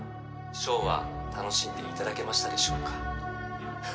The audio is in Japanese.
ショーは楽しんでいただけましたでしょうか？